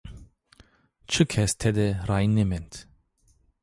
Çi kes tede ray nêmend